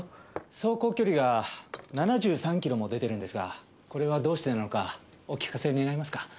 走行距離が７３キロも出てるんですがこれはどうしてなのかお聞かせ願えますか？